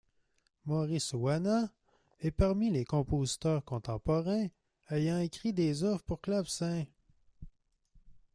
Maurice Ohana est parmi les compositeurs contemporains ayant écrit des œuvres pour clavecin.